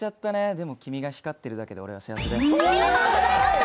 でも君が光ってるだけで俺は幸せだよ。